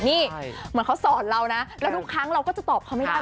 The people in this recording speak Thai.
นี่เหมือนเขาสอนเรานะแล้วทุกครั้งเราก็จะตอบเขาไม่ได้